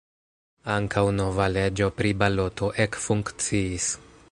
Ankaŭ nova leĝo pri baloto ekfunkciis.